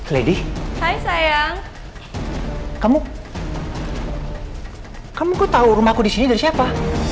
lady saya sayang kamu kamu tahu rumahku di sini dari siapa